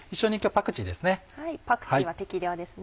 パクチーは適量ですね。